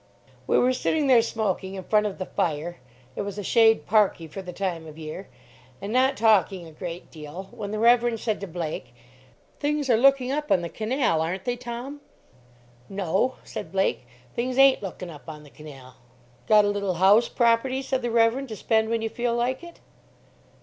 We were sitting there smoking in front of the fire—it was a shade parky for the time of year—and not talking a great deal, when the Reverend said to Blake, "Things are looking up on the canal, aren't they, Tom?" "No," said Blake; "things ain't lookin' up on the canal." "Got a little house property," said the Reverend, "to spend when you feel like it?"